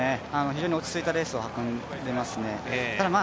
非常に落ち着いたレースを運んでいますね。